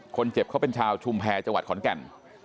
คนเจ็บเขาเป็นชาวชุมแพเจาะขอนแก่น